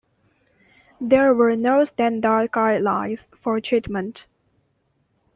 There were no standard guidelines for treatment.